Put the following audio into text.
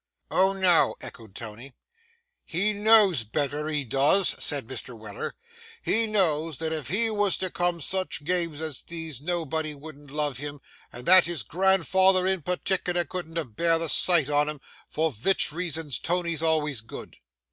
'O no!' echoed Tony. 'He knows better, he does,' said Mr. Weller. 'He knows that if he wos to come sich games as these nobody wouldn't love him, and that his grandfather in partickler couldn't abear the sight on him; for vich reasons Tony's always good.